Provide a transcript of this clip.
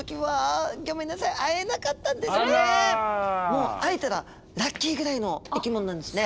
もう会えたらラッキーぐらいの生き物なんですね。